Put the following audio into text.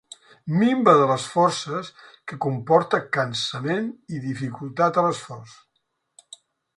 Minva de les forces que comporta cansament i dificultat a l'esforç.